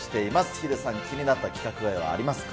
ヒデさん、気になった規格外はありますか。